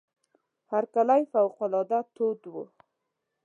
هرکلی فوق العاده تود وو.